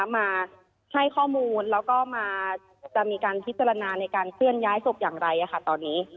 มาให้ข้อมูลแล้วก็จะมีการพิจารณาในการเคลื่อนย้ายศพอย่างไรตอนนี้